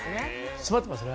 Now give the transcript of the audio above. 詰まってますね。